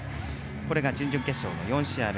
これが準々決勝の４試合目。